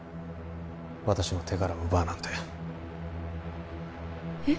私の手柄を奪うなんてえっ？